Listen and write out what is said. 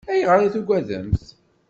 Ayɣer i tugademt?